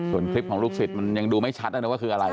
ส่วนคลิปของลูกศิษย์มันยังดูไม่ชัดนะว่าคืออะไร